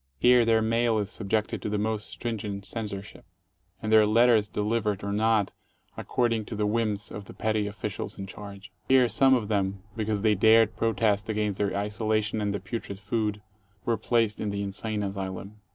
Here their mail is subjected to the most stringent censorship, and their letters delivered or not, ac cording to the whims of the petty officials in charge. Here some of them, because they dared protest against their isolation and the putrid food, were placed in the insane asylum.